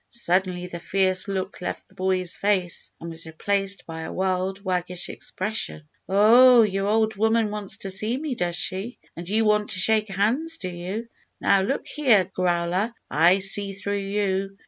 Suddenly the fierce look left the boy's face, and was replaced by a wild, waggish expression. "Oh! your old woman wants to see me, does she? And you want to shake hands, do you? Now look here, Growler; I see through you!